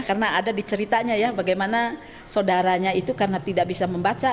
karena ada di ceritanya ya bagaimana saudaranya itu karena tidak bisa membaca